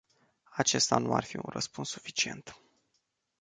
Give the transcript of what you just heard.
Acesta nu ar fi un răspuns suficient.